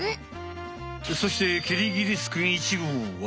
そしてキリギリスくん１号は。